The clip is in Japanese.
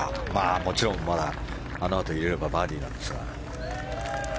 もちろんまだ入れればバーディーなんですが。